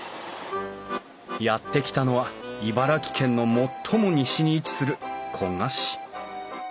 やって来たのは茨城県の最も西に位置する古河市。